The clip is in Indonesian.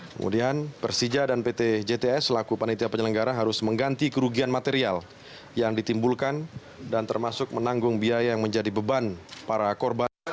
kemudian persija dan pt jts selaku panitia penyelenggara harus mengganti kerugian material yang ditimbulkan dan termasuk menanggung biaya yang menjadi beban para korban